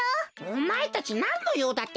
おまえたちなんのようだってか？